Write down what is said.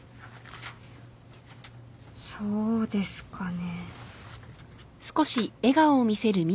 そうですかね。